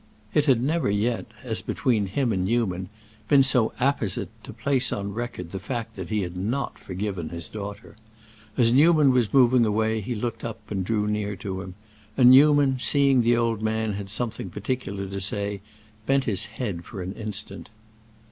It had never yet, as between him and Newman, been so apposite to place on record the fact that he had not forgiven his daughter. As Newman was moving away he looked up and drew near to him, and Newman, seeing the old man had something particular to say, bent his head for an instant.